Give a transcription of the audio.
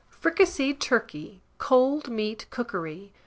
FRICASSEED TURKEY (Cold Meat Cookery).